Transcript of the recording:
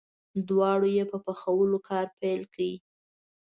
دواړو یې په پخولو کار پیل کړ.